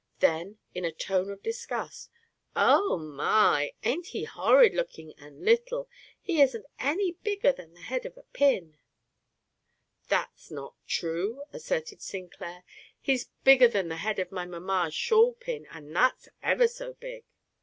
Then, in a tone of disgust: "Oh, my! ain't he horrid looking and little. He isn't any bigger than the head of a pin." "That's not true," asserted Sinclair: "he's bigger than the head of my mamma's shawl pin, and that's ever so big."